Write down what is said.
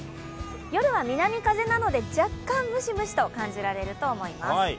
夜は南風なので若干ムシムシと感じられると思います。